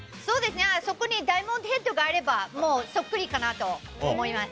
そうですね、そこにダイヤモンドヘッドがあればもうそっくりかなと思います。